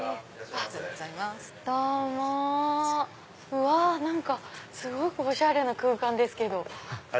うわっ何かすごくおしゃれな空間ですけど。